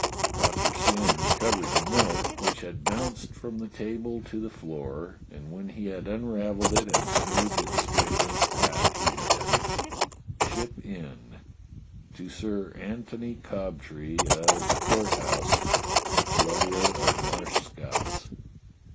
Doctor Syn recovered the note, which had bounced from the table to the floor, and when he had unravelled it and smoothed it straight and flat, he read : "Ship Inn. "To Sir Antony Cobtree of the Court House, Leveller of Marsh Scott s.